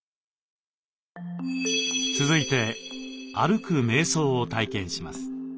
続いて歩くめい想を体験します。